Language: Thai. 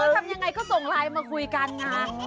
ทำยังไงก็ส่งไลน์มาคุยกันนะคะ